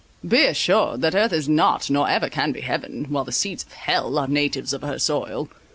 "Be assured that earth is not, nor ever can be heaven, while the seeds of hell are natives of her soil.